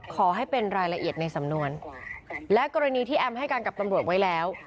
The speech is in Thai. ขอให้เป็นรายละเอียดในสำนวนและกรณีที่แอมให้การกับตำรวจไว้แล้ว